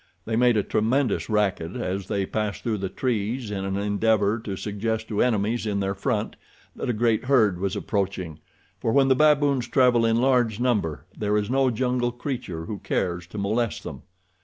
They made a tremendous racket as they passed through the trees in an endeavor to suggest to enemies in their front that a great herd was approaching, for when the baboons travel in large numbers there is no jungle creature who cares to molest them.